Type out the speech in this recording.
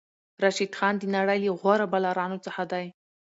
راشد خان د نړۍ له غوره بالرانو څخه دئ.